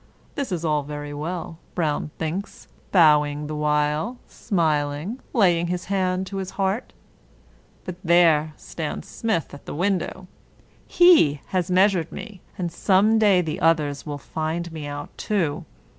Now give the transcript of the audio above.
" This is all very well," B. thinks (bowing the while, smil ing, laying his hand to his heart) ;" but there stands Smith at the window: he has measured me; and some day the others will find me out too."